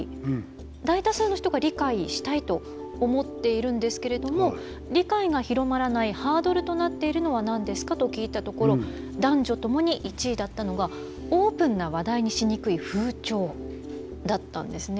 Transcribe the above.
大多数の人が理解したいと思っているんですけれども「理解が広まらないハードルとなっているのは何ですか？」と聞いたところ男女ともに１位だったのがオープンな話題にしにくい風潮だったんですね。